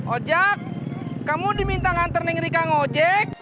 ojak kamu diminta nganter neng rika nge ojek